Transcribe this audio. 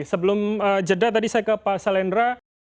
sebelum jeda tadi saya ke pak salendra